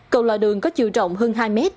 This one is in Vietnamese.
cầu lọ đường có chiều rộng hơn hai m